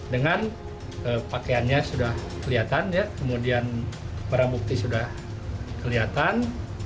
dengan pakaiannya sudah kelihatan kemudian barang bukti sudah kelihatan